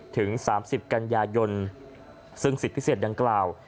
ถึงสามสิบกันยายนซึ่งสิบพิเศษดังกล่าว